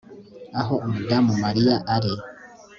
Aho umudamu Mariya ari